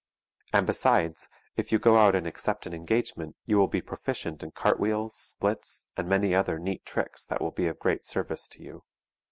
And besides, if you go out and accept an engagement you will be proficient in cartwheels, splits, and many other neat tricks that will be of great service to you.